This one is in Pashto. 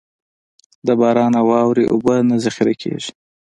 د باران او واورې اوبه نه ذخېره کېږي.